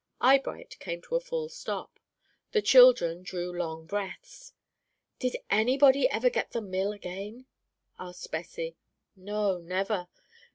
Eyebright came to a full stop. The children drew long breaths. "Didn't anybody ever get the mill again?" asked Bessie. "No, never.